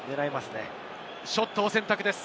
ショットを選択です。